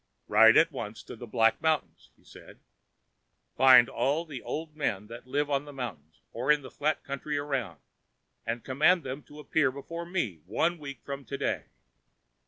"Ride at once to the Black Mountains," he said. "Find all the old men that live on the mountains or in the flat country around, and command them to appear before me one week from to day."